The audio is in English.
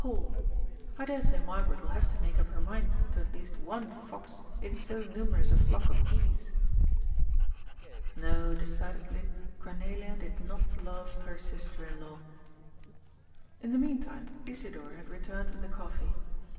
Panl. I dare say Margaret will hare to make up her mind to at least one fox in so numerous a flock of geese." No, decidedly, Cornelia did not love her sister in law. In the meantime Isidor had returned with the coffee.